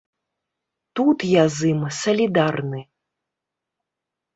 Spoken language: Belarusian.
Тут я з ім салідарны.